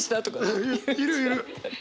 いるいる！